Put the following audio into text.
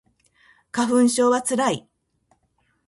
花粉症はつらい